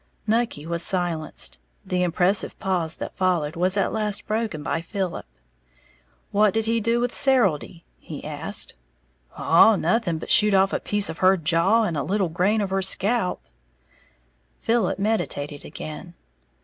Nucky was silenced. The impressive pause that followed was at last broken by Philip. "What did he do to Serildy?" he asked. "Oh, nothing, but shoot off a piece of her jaw and a little grain of her scalp." Philip meditated again.